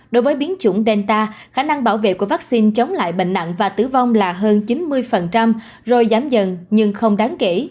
đối với biến chủng delta khả năng bảo vệ của vaccine chống lại bệnh nặng và tử vong là hơn chín mươi rồi giảm dần nhưng không đáng kể